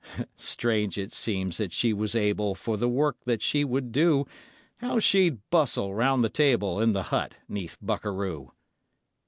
Strange it seems that she was able For the work that she would do; How she'd bustle round the table In the hut 'neath Bukaroo!